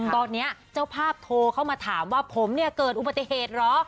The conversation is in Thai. ตอนนี้เจ้าภาพโทรเข้ามาถามว่าผมเนี่ยเกิดอุบัติเหตุเหรอ